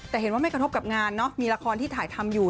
แต่เห็นว่าไม่กระทบกับงานเนอะมีละครที่ถ่ายทำอยู่